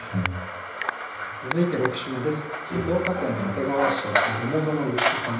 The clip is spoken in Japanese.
続いて６首目です。